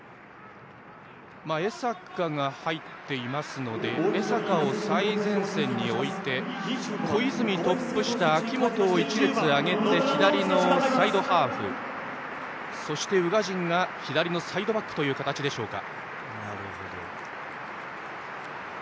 江坂が入っていますので江坂を最前線に置いて小泉、トップ下明本を１列上げて左のサイドハーフそして、宇賀神が左サイドバックでしょうか。